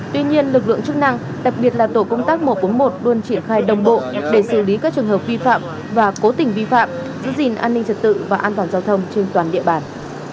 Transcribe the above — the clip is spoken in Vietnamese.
tuy nhiên lực lượng chức năng đặc biệt là tổ công tác một trăm bốn mươi một luôn triển khai đồng bộ để xử lý các trường hợp vi phạm và cố tình vi phạm giữ gìn an ninh trật tự và an toàn giao thông trên toàn địa bàn